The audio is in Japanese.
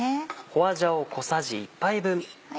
花椒小さじ１杯分。